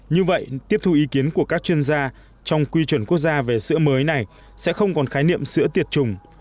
như vậy tiếp thu ý kiến của các chuyên gia trong quy chuẩn quốc gia về sữa mới này sẽ không còn khái niệm sữa tiệt trùng